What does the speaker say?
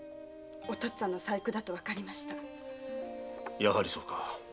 やはりそうか。